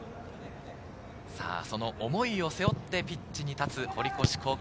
その思いを背負ってピッチに立つ堀越高校